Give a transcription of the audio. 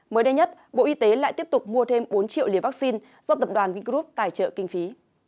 mới đây nhất bộ y tế lại tiếp tục mua thêm bốn triệu liều vaccine do tập đoàn vingroup tài trợ kinh phí